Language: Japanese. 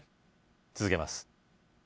続けます